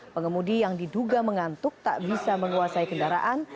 pengemudi yang diduga mengantuk tak bisa menguasai kendaraan